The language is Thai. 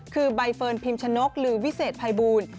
คือใบเฟิร์นพิมชนกหรือวิเศษภัยบูล